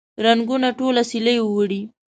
رنګونه ټوله سیلیو وړي